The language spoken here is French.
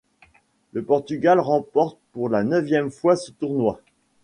Le Portugal remporte pour la neuvième fois ce tournoi.